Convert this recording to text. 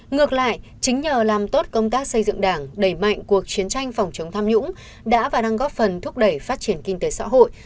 ngược lại chính nhờ làm tốt công tác xây dựng đảng đẩy mạnh cuộc chiến tranh phòng chống tham nhũng đã và đang góp phần thúc đẩy phát triển kinh tế xã hội